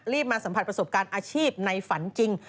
มาสัมผัสประสบการณ์อาชีพในฝันจริง